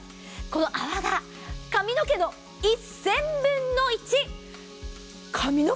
その泡が髪の毛の１０００分の１。